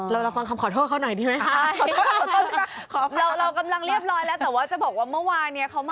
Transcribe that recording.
เราฟังคำขอโทษเขาหน่อยดีไหมคะ